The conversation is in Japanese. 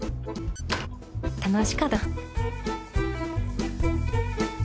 楽しかったな